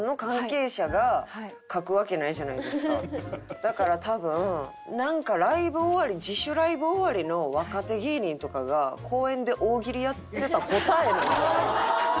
だから多分なんかライブ終わりに自主ライブ終わりの若手芸人とかが公園で大喜利やってた答えなんじゃ。